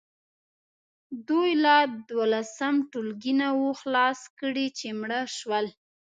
دوی لا دولسم ټولګی نه وو خلاص کړی چې مړه شول.